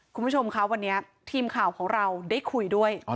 คุณผู้ชมคะวันนี้ทีมข่าวของเราได้คุยด้วย